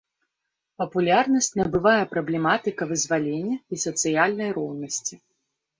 Папулярнасць набывае праблематыка вызвалення і сацыяльнай роўнасці.